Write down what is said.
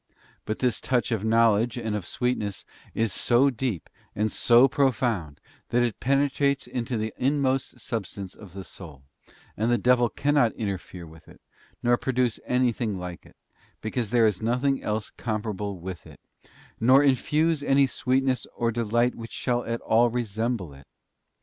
But this touch of knowledge and of sweetness is so deep and so profound that it penetrates into the inmost substance of the soul, and the devil cannot interfere with it, nor produce anything like it—because there is nothing else comparable with it—nor infuse any sweetness or delight which shall at all resemble it.